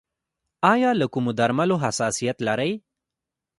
ایا له کومو درملو حساسیت لرئ؟